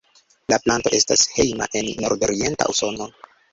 La planto estas hejma en nordorienta Usono.